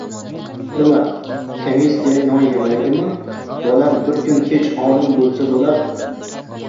— Nima, kamissiyang non yemaydimi! Bolam bir kun kech olim bo‘lsa bo‘lar.